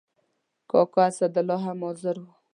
کاکا اسدالله هم حاضر و.